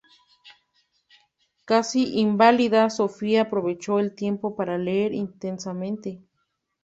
Casi inválida, Sofía aprovechó el tiempo para leer intensamente.